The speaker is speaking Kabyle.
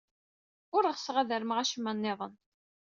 Ur ɣseɣ ad armeɣ acemma niḍen.